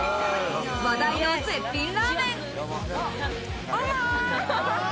話題の絶品ラーメン。